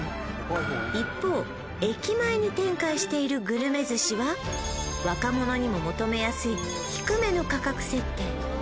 一方駅前に展開しているぐるめ寿司は若者にも求めやすい低めの価格設定